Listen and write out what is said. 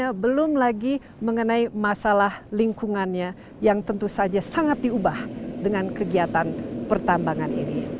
karena belum lagi mengenai masalah lingkungannya yang tentu saja sangat diubah dengan kegiatan pertambangan ini